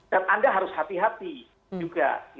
dan anda harus hati hati juga